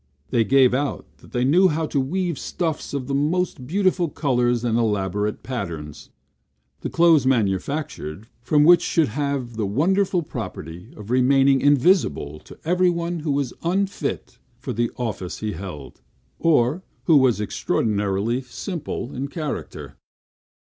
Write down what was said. They gave out that they knew how to weave stuffs of the most beautiful colors and elaborate patterns, the clothes manufactured from which should have the wonderful property of remaining invisible to everyone who was unfit for the office he held, or who was extraordinarily simple in character.